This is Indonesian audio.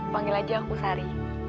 panggil aja aku sari